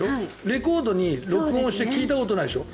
レコードに録音して聴いたことないでしょ？